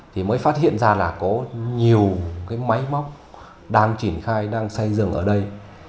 thì mới phát hiện ra là có nhiều cái máy móc đang triển khai đang xây dựng ở đây